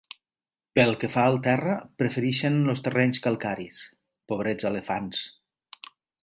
Pel que fa al terra, prefereixen els terrenys calcaris. Pobrets elefants!